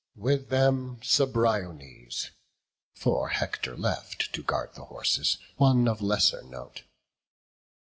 With them Cebriones; for Hector left, To guard the horses, one of lesser note.